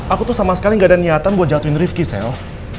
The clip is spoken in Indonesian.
aku tuh sama sekali gak ada niatan buat jatuhin rifki sel